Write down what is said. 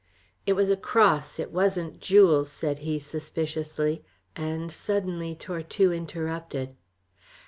"It was a cross it wasn't jewels," said he, suspiciously; and suddenly Tortue interrupted.